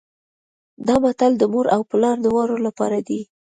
دا متل د مور او پلار دواړو لپاره دی